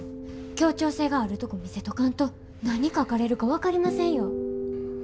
協調性があるとこ見せとかんと何書かれるか分かりませんよ。